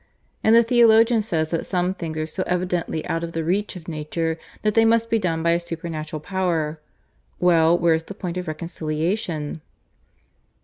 And the theologian says that some things are so evidently out of the reach of Nature that they must be done by a supernatural power. Well, where's the point of reconciliation?"